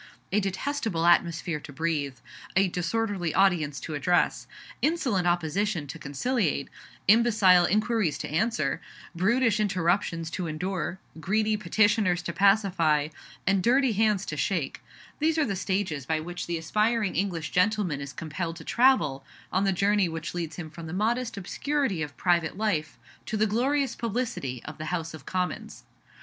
A detestable atmosphere to breathe; a disorderly audience to address; insolent opposition to conciliate; imbecile inquiries to answer; brutish interruptions to endure; greedy petitioners to pacify; and dirty hands to shake: these are the stages by which the aspiring English gentleman is compelled to travel on the journey which leads him from the modest obscurity of private life to the glorious publicity of the House of Commons.